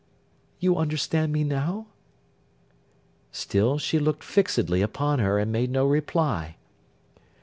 You understand me now?' Still she looked fixedly upon her, and made no reply.